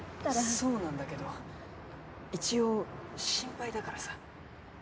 そうなんだけど一応心配だからさ。